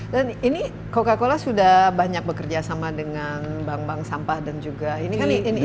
dan ini coca cola sudah banyak bekerja sama dengan bank bank sampah dan juga ini kan ini